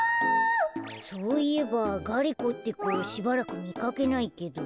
そういえばガリ子ってこしばらくみかけないけど。